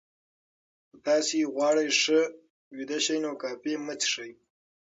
که تاسي غواړئ ښه ویده شئ، نو کافي مه څښئ.